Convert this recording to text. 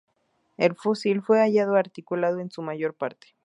El fósil fue hallado articulado en su mayor parte.